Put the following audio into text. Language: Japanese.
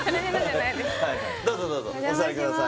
どうぞどうぞお座りください